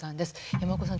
山岡さん